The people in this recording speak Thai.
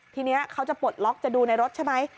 ทีนี้เขาจะปลดล็อกจะดูในรถใช่ไหม